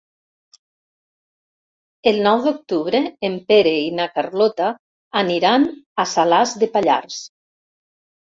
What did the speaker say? El nou d'octubre en Pere i na Carlota aniran a Salàs de Pallars.